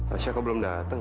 asyik belum datang